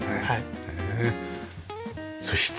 そして。